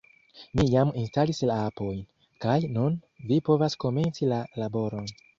Mi jam instalis la apojn, kaj nun vi povas komenci la laboron.